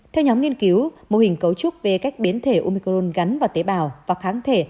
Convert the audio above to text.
theo nhóm nghiên cứu mô hình cấu trúc bê cách biến thể umicron gắn vào tế bào và kháng thể